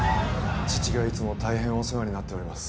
父がいつも大変お世話になっております